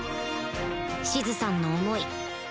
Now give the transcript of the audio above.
シズさんの思い